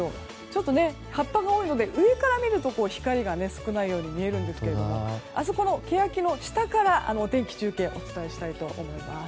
ちょっと葉っぱが多いので上から見ると光が少ないように見えるんですけどあそこのケヤキの下からお天気中継をお伝えしたいと思います。